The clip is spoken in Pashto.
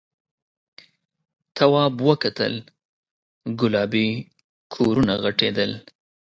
تواب وکتل گلابي کورونه غټېدل.